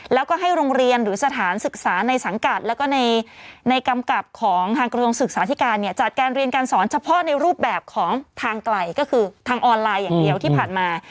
แล้วก็ให้โรงเรียนหรือสถานศึกษาในสังกัดแล้วก็ในกำกับของทางกระทรวงศึกษาธิการเนี่ยจัดการเรียนการสอนเฉพาะในรูปแบบของทางไกลก็คือทางออนไลน์อย่างเดียวที่ผ่านมา